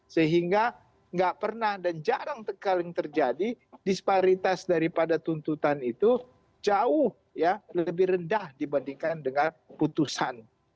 sehingga nggak pernah dan jarang sekali terjadi disparitas daripada tuntutan itu jauh lebih rendah dibandingkan dengan putusan